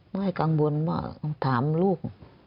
ไม่กังวลว่าต้องถามลูก